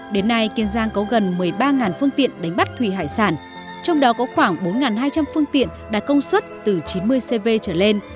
đến nay kiên giang có gần một mươi ba phương tiện đánh bắt thủy hải sản trong đó có khoảng bốn hai trăm linh phương tiện đạt công suất từ chín mươi cv trở lên